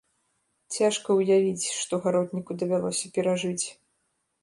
Цяжка ўявіць, што гаротніку давялося перажыць.